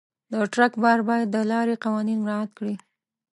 د ټرک بار باید د لارې قوانین مراعت کړي.